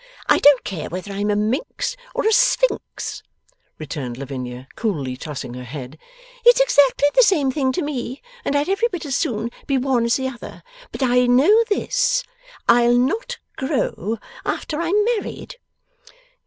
'I don't care whether I am a Minx, or a Sphinx,' returned Lavinia, coolly, tossing her head; 'it's exactly the same thing to me, and I'd every bit as soon be one as the other; but I know this I'll not grow after I'm married!